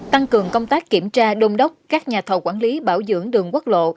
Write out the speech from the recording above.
tăng cường công tác kiểm tra đôn đốc các nhà thầu quản lý bảo dưỡng đường quốc lộ